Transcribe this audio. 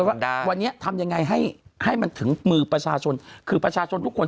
ว่าวันนี้ทำยังไงให้ให้มันถึงมือประชาชนคือประชาชนทุกคน